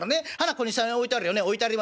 ここに３円置いてあるよね置いてありますよね。